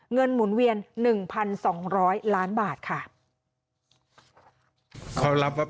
หมุนเวียน๑๒๐๐ล้านบาทค่ะ